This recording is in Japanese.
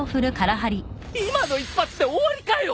今の一発で終わりかよ！